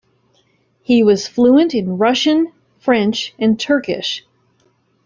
He was fluent in Russian, French, and Turkish.